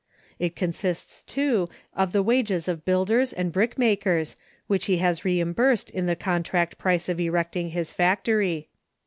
It consists, too, of the wages of builders and brick makers, which he has reimbursed in the contract price of erecting his factory.